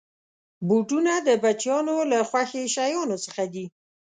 بوټونه د بچیانو له خوښې شيانو څخه دي.